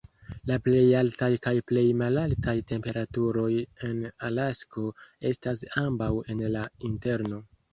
La plej altaj kaj plej malaltaj temperaturoj en Alasko estas ambaŭ en la Interno.